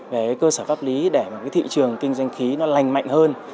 về cơ sở pháp lý để thị trường kinh doanh khí lành mạnh hơn